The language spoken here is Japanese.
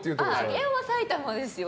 上尾埼玉ですよ。